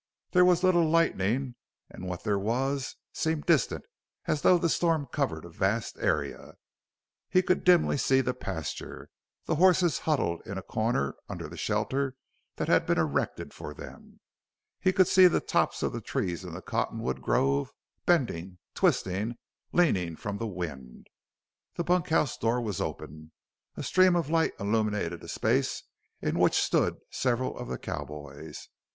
There was little lightning, and what there was seemed distant, as though the storm covered a vast area. He could dimly see the pasture the horses huddled in a corner under the shelter that had been erected for them; he could see the tops of the trees in the cottonwood grove bending, twisting, leaning from the wind; the bunkhouse door was open, a stream of light illuminating a space in which stood several of the cowboys.